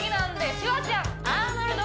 シュワちゃん！